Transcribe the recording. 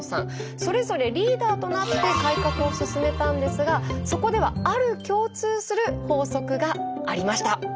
それぞれリーダーとなって改革を進めたんですがそこではある共通する法則がありました。